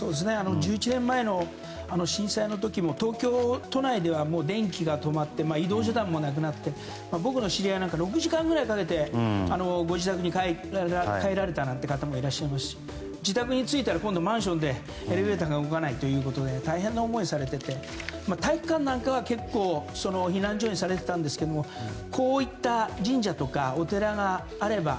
１１年前の震災の時も東京都内では電気が止まって移動手段もなくなって僕の知り合いなんかは６時間ぐらいかけてご自宅に帰られた方もいらっしゃいましたし自宅に着いたら今度はマンションでエレベーターが動かないなど大変な思いをされていて結構、体育館なんかは避難所にされてたんですけどこういった神社とかお寺があれば。